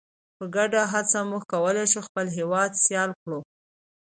په ګډه هڅه موږ کولی شو خپل هیواد سیال کړو.